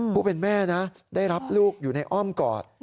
ผู้เป็นแม่นะได้รับลูกอยู่ในอ้อมกอด